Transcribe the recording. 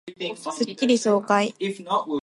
スッキリ爽快